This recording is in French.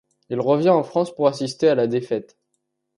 Il revient en France pour assister à la défaite.